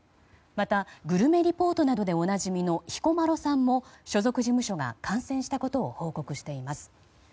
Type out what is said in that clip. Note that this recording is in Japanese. また、グルメレポートなどでおなじみの彦摩呂さんも所属事務所が感染したことを報告しています。